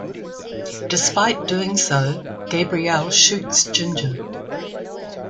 Despite doing so, Gabriel shoots Ginger.